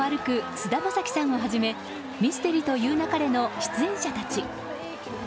菅田将暉さんをはじめ「ミステリと言う勿れ」の出演者たち。